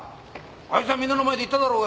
あいつはみんなの前で言っただろうが。